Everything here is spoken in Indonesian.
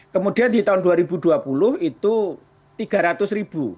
kemudian di tahun dua ribu dua puluh itu tiga ratus ribu